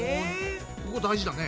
ここ大事だね。